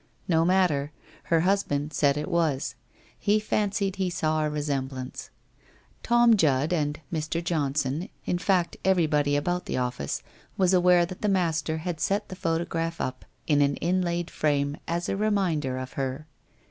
No matter, her husband said it was; he fancied he saw a resemblance. Tom Judd and Mr. Johnson, in fact, everybody about the office was aware 398 WHITE ROSE OF WEARY LEAF 399 that the master had set the photograph up in an inlaid frame as a reminder of her.